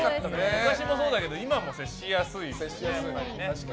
昔もそうだけど今も接しやすい。